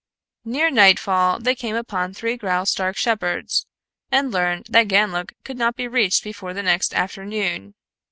Near nightfall they came upon three Graustark shepherds and learned that Ganlook could not be reached before the next afternoon.